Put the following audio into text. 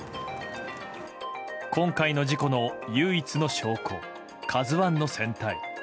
今回の事故の唯一の証拠「ＫＡＺＵ１」の船体。